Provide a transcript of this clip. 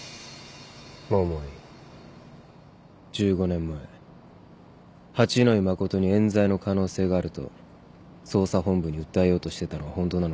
１５年前八野衣真に冤罪の可能性があると捜査本部に訴えようとしてたのは本当なのか？